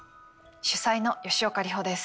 主宰の吉岡里帆です。